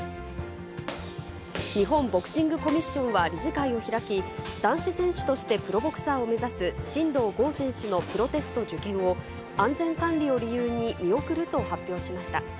日本ボクシングコミッションは理事会を開き、男子選手としてプロボクサーを目指す真道ゴー選手のプロテスト受験を、安全管理を理由に見送ると発表しました。